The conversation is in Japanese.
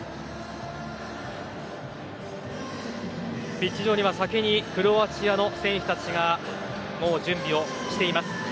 ピッチ上では先にクロアチアの選手たちがもう準備をしています。